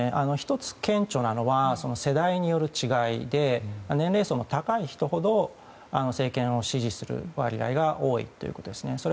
１つ顕著なのは世代による違いで年齢層の高い人ほど政権を支持する割合が多いということですね。